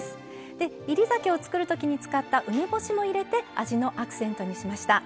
煎り酒を作る時に使った梅干しも入れて味のアクセントにしました。